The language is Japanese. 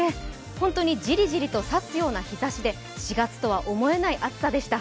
本当にじりじりと刺すような日ざしで４月とは思えない暑さでした。